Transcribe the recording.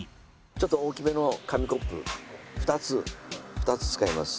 ちょっと大きめの紙コップ２つ２つ使います。